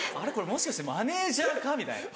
もしかしてマネジャーか？みたいな。